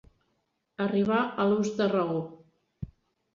Arribar a l'ús de raó.